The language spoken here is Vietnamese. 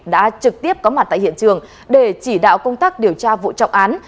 đã trực tiếp có mặt tại hiện trường để chỉ đạo công tác điều tra vụ trọng án